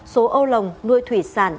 số ô lòng nuôi thủy sản